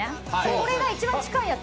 これが一番近いやつ。